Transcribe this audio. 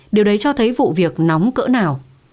điều đấy cho thấy vụ việc nóng cỡ nào